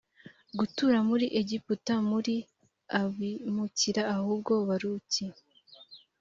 gutura muri egiputa muri abimukira ahubwo baruki